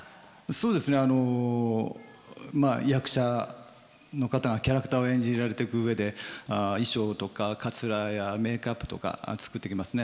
そうですねあの役者の方がキャラクターを演じられてく上で衣装とかかつらやメーキャップとか作っていきますね。